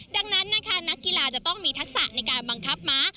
ดังนั้นนะคะนักกีฬาจะต้องมีทักษะในการบังคับม้า